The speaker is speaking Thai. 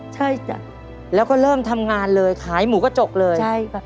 ใช่จ้ะแล้วก็เริ่มทำงานเลยขายหมูกระจกเลยใช่ค่ะ